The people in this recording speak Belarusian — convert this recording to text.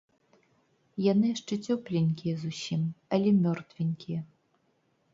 Яны яшчэ цёпленькія зусім, але мёртвенькія.